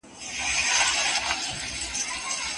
وېره